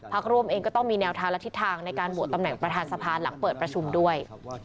ร่วมเองก็ต้องมีแนวทางและทิศทางในการโหวตตำแหน่งประธานสภาหลังเปิดประชุมด้วย